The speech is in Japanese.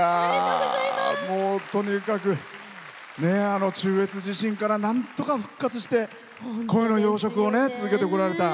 とにかく中越地震からなんとか復活してコイの養殖を続けてこられた。